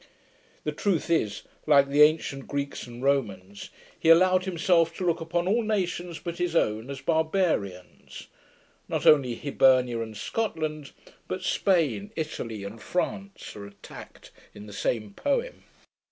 The truth is, like the ancient Greeks and Romans, he allowed himself to look upon all nations but his own as barbarians: not only Hibernia, and Scotland, but Spain, Italy, and France, are attacked in the same poem.